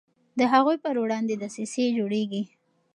د هغوی پر وړاندې دسیسې جوړیږي.